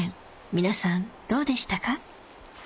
皆さんどうでしたか？